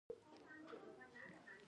دا د ادبي تحلیل لپاره ژور فکر جوړوي.